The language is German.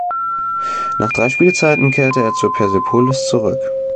Nach drei Spielzeiten kehrte er zu Persepolis zurück.